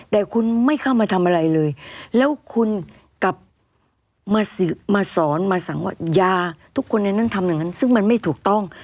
แต่คุณไม่เข้ามาทำอะไรเลยแล้วคุณกลับมาสอนมาสั่งว่ายาทุกคนในนั้นทำอย่างนั้นซึ่งมันไม่ถูกต้อง